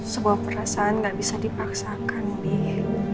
sebuah perasaan gak bisa dipaksakan dia